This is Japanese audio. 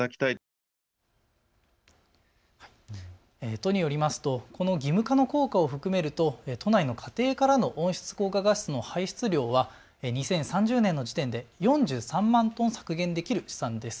都によりますと、この義務化の効果を含めると都内の家庭からの温室効果ガスの排出量は２０３０年の時点で４３万トン削減できる試算です。